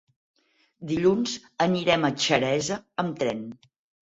Dilluns anirem a Xeresa amb tren.